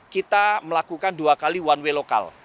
kita melakukan dua kali one way lokal